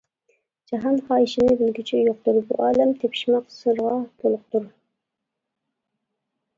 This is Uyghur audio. جاھان خاھىشىنى بىلگۈچى يوقتۇر، بۇ ئالەم تېپىشماق سىرغا تولۇقتۇر.